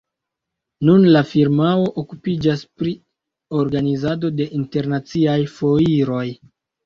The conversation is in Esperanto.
Nun la firmao okupiĝas pri organizado de internaciaj foiroj.